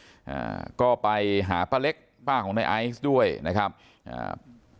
อ่าก็ไปหาป้าเล็กป้าของในไอซ์ด้วยนะครับอ่า